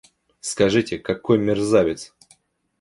Скажите, какой мерзавец!